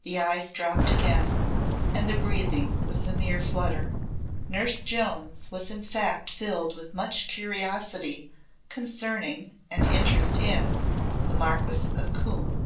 The eyes dropped again and the breathing was a mere flutter. Nurse Jones was in fact filled with much curiosity concerning and interest in the Marquis of Coombe.